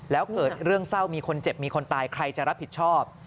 แล้วเกิดเรื่องเศร้ามีคนเจ็บมีคนตายใครจะรับผิดชอบ